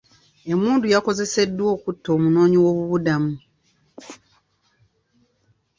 Emmundu yakozeseddwa okutta omunoonyiwoobubudamu.